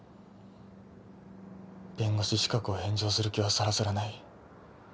弁護士資格を返上する気はさらさらない。